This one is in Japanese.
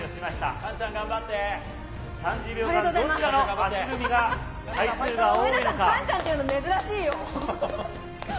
菅ちゃんって言うの珍しいよ。